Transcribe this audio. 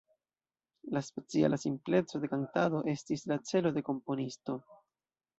La speciala simpleco de kantado estis la celo de komponisto.